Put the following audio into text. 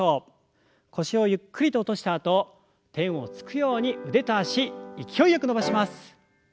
腰をゆっくりと落としたあと天をつくように腕と脚勢いよく伸ばします。